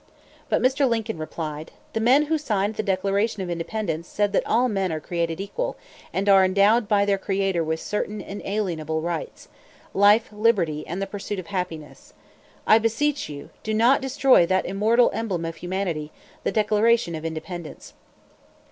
But Mr. Lincoln replied, "The men who signed the Declaration of Independence said that all men are created equal, and are endowed by their Creator with certain inalienable rights life, liberty, and the pursuit of happiness.... I beseech you, do not destroy that immortal emblem of humanity, the Declaration of Independence."